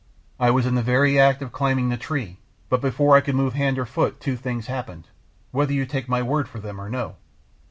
I was in the very act of climbing the tree, but before I could move hand or foot two things happened, whether you take my word for them or no.